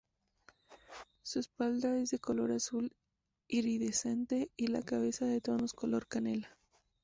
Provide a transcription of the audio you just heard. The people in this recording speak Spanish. Su espalda es de color azul iridiscente y la cabeza de tonos color canela.